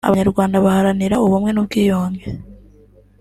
Abanyarwanda baharanira ubumwe n’ubwiyunge